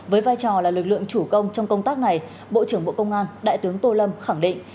với vai trò là lực lượng chủ công trong công tác này bộ trưởng bộ công an đại tướng tô lâm khẳng định